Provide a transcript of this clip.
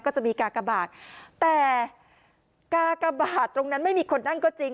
ก็จะมีกากบาทแต่กากบาทตรงนั้นไม่มีคนนั่งก็จริง